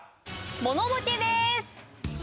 モノボケです！